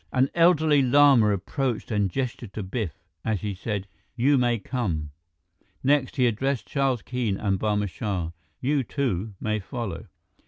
An elderly lama approached and gestured to Biff, as he said, "You may come." Next, he addressed Charles Keene and Barma Shah. "You two may follow."